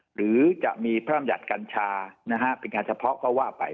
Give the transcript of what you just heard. หรือจะมีพรรมหยัดกัญชานะฮะเป็นงานเฉพาะก็ว่าไป